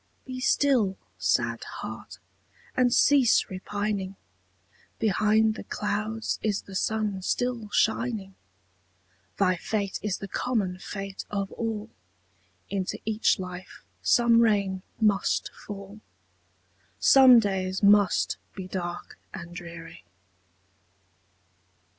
Be still, sad heart! and cease repining; Behind the clouds is the sun still shining; Thy fate is the common fate of all, Into each life some rain must fall, Some days must be dark and dreary.